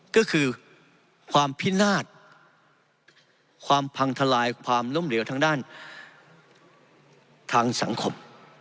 ก็คือความพินาศความพังทลายความล้มเหลวทางด้านทางสังคม